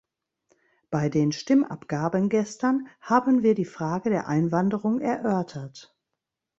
Bei den Stimmabgaben gestern haben wir die Frage der Einwanderung erörtert.